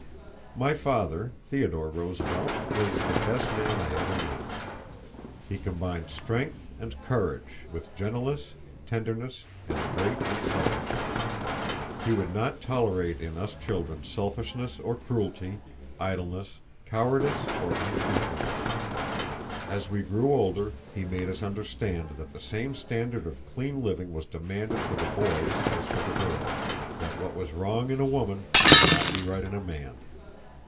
My father, Theodore Roosevelt, was the best man I ever knew. He combined strength and courage with gentleness, tenderness, and great unselfishness. He would not tolerate in us children selfishness or cruelty, idleness, cowardice, or untruthfulness. As we grew older he made us understand that the same standard of clean living was demanded for the boys as for the girls; that what was wrong in a woman could not be right in a man.